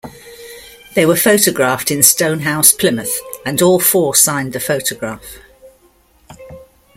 They were photographed in Stonehouse, Plymouth, and all four signed the photograph.